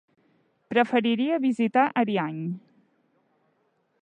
Preferiria visitar Ariany.